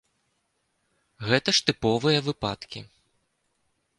Гэта ж тыповыя выпадкі.